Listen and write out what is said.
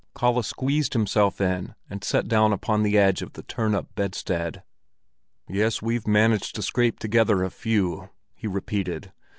Kalle squeezed himself in and sat down upon the edge of the turn up bedstead. "Yes, we've managed to scrape together a few," he repeated.